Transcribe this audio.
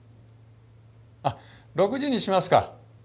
あっ６時にしますか。